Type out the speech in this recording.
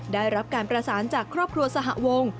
ได้รับการประสานจากครอบครัวสหวง